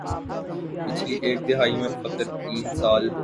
پچھلی ایک دہائی میں فقط تین سال